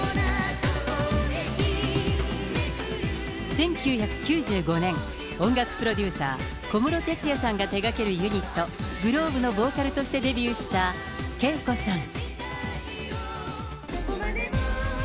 １９９５年、音楽プロデューサー、小室哲哉さんが手がけるユニット、ｇｌｏｂｅのボーカルとしてデビューしたＫＥＩＫＯさん。